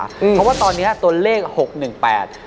เพราะว่าตอนนี้เลขนั้น๖๑๘